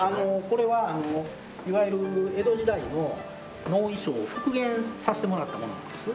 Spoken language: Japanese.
これはあのいわゆる江戸時代の能衣装を復元させてもらったものなんです。